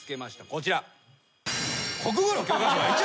こちら。